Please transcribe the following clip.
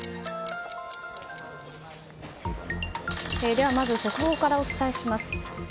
ではまず速報からお伝えします。